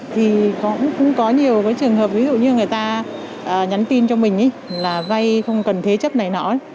thì cũng có nhiều cái trường hợp ví dụ như người ta nhắn tin cho mình là vay không cần thế chấp này nọ